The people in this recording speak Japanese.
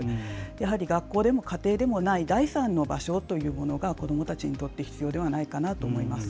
やはり学校でも家庭でも第三の場所というのは子どもたちにとって必要なのではないかなと思います。